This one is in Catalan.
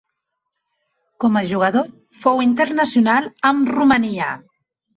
Com a jugador fou internacional amb Romania.